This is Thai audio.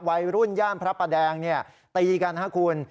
วัยรุ่นย่านพระประแดงตีกันครับคุณ